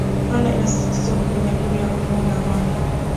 Rwanda inasisitizwa kwamba jamuhuri ya Kongo na Rwanda